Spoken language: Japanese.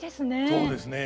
そうですね。